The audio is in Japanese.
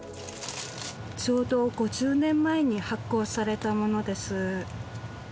ちょうど５０年前に発行されたものです。